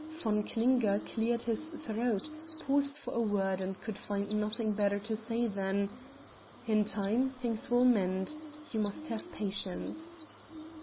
Von Klinger cleared his throat, paused for a word and could find nothing better to say than: "In time things will mend; you must have patience."